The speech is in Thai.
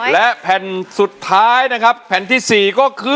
และแผ่นสุดท้ายนะครับแผ่นที่๔ก็คือ